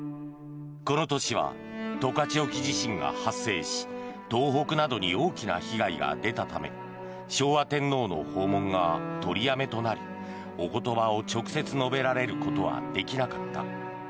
この年は、十勝沖地震が発生し東北などに大きな被害が出たため昭和天皇の訪問が取りやめとなりお言葉を直接述べられることはできなかった。